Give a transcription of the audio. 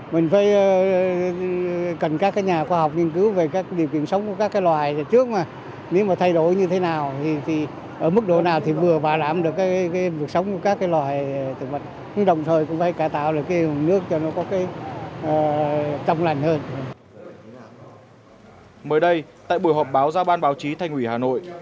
mới đây tại buổi họp báo ra ban báo chí thành ủy hà nội